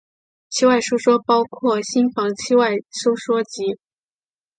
期外收缩包括心房期外收缩及。